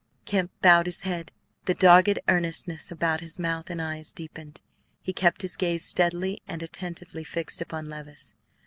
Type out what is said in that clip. Kemp bowed his head. The dogged earnestness about his mouth and eyes deepened; he kept his gaze steadily and attentively fixed upon Levice.